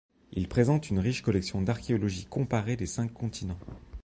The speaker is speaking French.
Il présente une riche collection d'archéologie comparée des cinq continents.